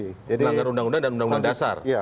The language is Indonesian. melanggar undang undang dan undang undang dasar